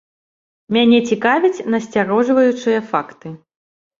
Мяне цікавяць насцярожваючыя факты.